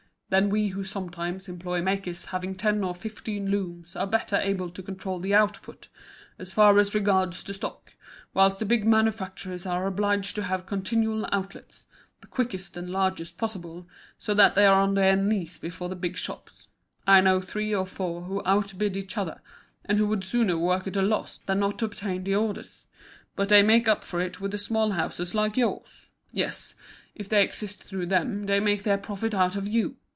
Then we who sometimes employ makers having ten or fifteen looms are better able to control the output, as far as regards the stock, whilst the big manufacturers are obliged to have continual outlets, the quickest and largest possible, so that they are on their knees before the big shops. I know three or four who out bid each other, and who would sooner work at a loss than not obtain the orders. But they make up for it with the small houses like yours. Yes, if they exist through them, they make their profit out of you.